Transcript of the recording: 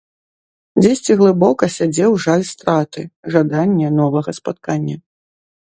Дзесьці глыбока сядзеў жаль страты, жаданне новага спаткання.